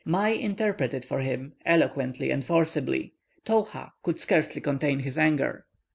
Mai interpreted for him, eloquently and forcibly. Towha could scarcely contain his anger.